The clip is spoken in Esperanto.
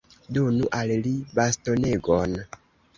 Donu al li bastonegon.